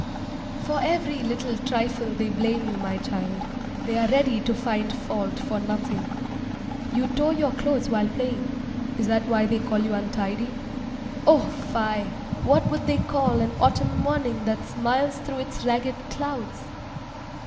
For every little trifle they blame you, my child. They are ready to find fault for nothing. You tore your clothes while playing is that why they call you untidy? O, fie! What would they call an autumn morning that smiles through its ragged clouds?